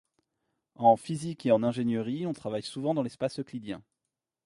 En physique et en ingénierie, on travaille souvent dans l'espace euclidien.